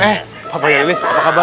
eh bapaknya elis apa kabar